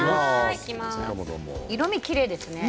色み、きれいですね。